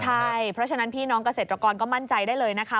ใช่เพราะฉะนั้นพี่น้องเกษตรกรก็มั่นใจได้เลยนะคะ